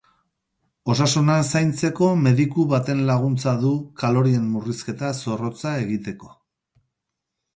Osasuna zaintzeko, mediku baten laguntza du kalorien murrizketa zorrotza egiteko.